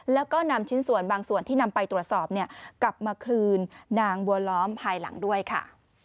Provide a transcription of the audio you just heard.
แล้วก็นำชิ้นส่วนบางส่วนที่นำไปตรวจสอบกลับมาคืนนางบัวล้อมภายหลังด้วยค่ะ